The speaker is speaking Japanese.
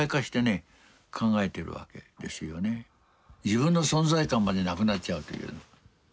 自分の存在感までなくなっちゃうという。